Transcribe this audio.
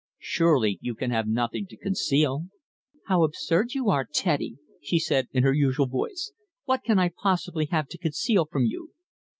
Surely you can have nothing to conceal?" "How absurd you are, Teddy!" she said in her usual voice. "What can I possibly have to conceal from you?"